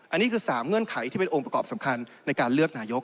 อันนี้คือ๓เงื่อนไขที่เป็นองค์ประกอบสำคัญในการเลือกนายก